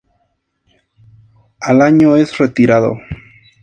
Al año es retirado.